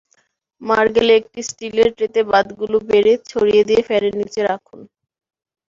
মাড় গেলে একটি স্টিলের ট্রেতে ভাতগুলো বেড়ে ছড়িয়ে দিয়ে ফ্যানের নিচে রাখুন।